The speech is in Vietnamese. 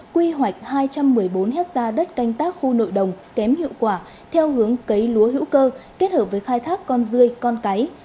quy hoạch hai trăm một mươi bốn hectare đất canh tác khu nội đồng kém hiệu quả theo hướng cấy lúa hữu cơ kết hợp với khai thác con dươi con cái